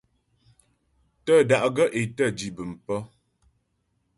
Tə́́ da'gaə́ é tə́ dǐ bəm pə̀.